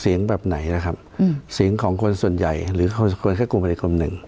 สิ่งแบบไหนนะครับสิ่งของคนส่วนใหญ่หรือคนแค่กลุ่มหนึ่ง